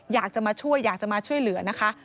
อยากจะมาช่วยอยากจะมาช่วยเหลือนะคะ